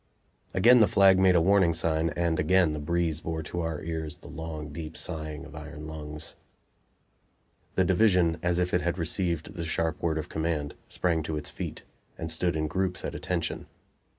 Again the flag made a warning sign, and again the breeze bore to our ears the long, deep sighing of iron lungs. The division, as if it had received the sharp word of command, sprang to its feet, and stood in groups at "attention."